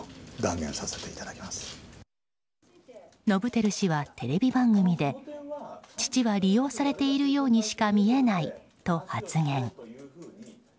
伸晃氏はテレビ番組で父は利用されているようにしか見えないと発言。